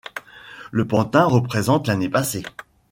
Le pantin représente l'année passée.